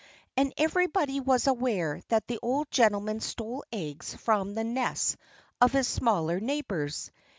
And everybody was aware that the old gentleman stole eggs from the nests of his smaller neighbors.